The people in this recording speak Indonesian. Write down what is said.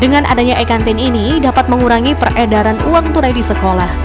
dengan adanya e kantin ini dapat mengurangi peredaran uang tunai di sekolah